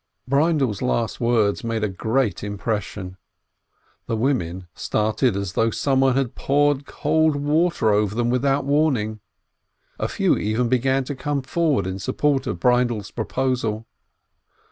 BreindePs last words made a great impression. The women started as though someone had poured cold water over them without warning. A few even began to come forward in support of Breindel's proposal.